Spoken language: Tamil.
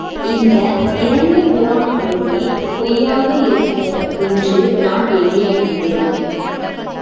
இந்த இரண்டு புராணங்களுமே பொய்யாக இருக்குமோ என்று நான் எண்ணியதுண்டு.